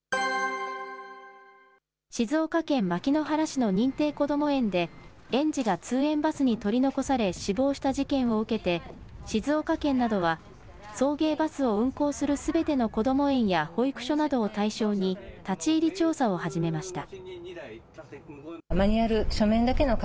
静岡県牧之原市の認定こども園で、園児が通園バスに取り残され死亡した事件を受けて、静岡県などは、送迎バスを運行するすべてのこども園や保育所などを対象に、立ち入り調査を始めました。